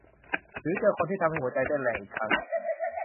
หรือเจอคนที่ทำให้หัวใจเต้นแรงอีกครั้ง